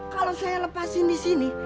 kalau saya lepasin di sini